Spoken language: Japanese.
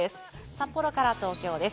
札幌から東京です。